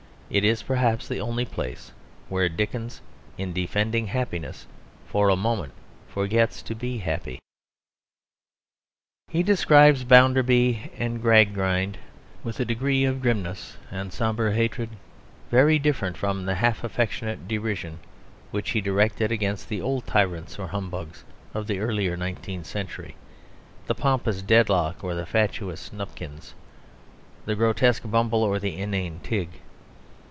It is perhaps the only place where Dickens, in defending happiness, for a moment forgets to be happy. He describes Bounderby and Gradgrind with a degree of grimness and sombre hatred very different from the half affectionate derision which he directed against the old tyrants or humbugs of the earlier nineteenth century the pompous Dedlock or the fatuous Nupkins, the grotesque Bumble or the inane Tigg.